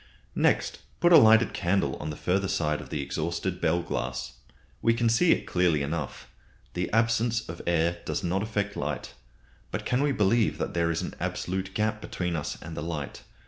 Next, put a lighted candle on the further side of the exhausted bell glass. We can see it clearly enough. The absence of air does not affect light. But can we believe that there is an absolute gap between us and the light?